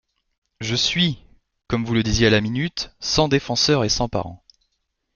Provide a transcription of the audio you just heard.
Je suis, comme vous le disiez à la minute, sans défenseur et sans parents.